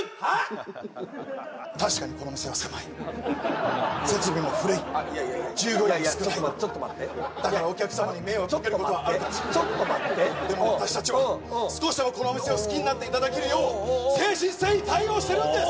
確かにこの店は狭い設備も古いいやあっいやいやいや従業員も少ないちょっと待ってちょっと待ってだからお客さんに迷惑をかけるちょっと待ってちょっと待ってでも私達は少しでもこのお店を好きになっていただけるよう誠心誠意対応してるんです！